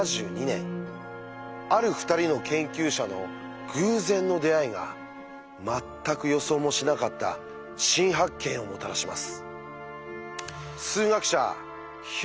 ある２人の研究者の偶然の出会いが全く予想もしなかった新発見をもたらします。